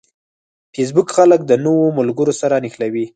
فېسبوک خلک د نوو ملګرو سره نښلوي